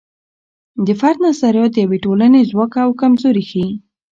د فرد نظریات د یوې ټولنې ځواک او کمزوري ښیي.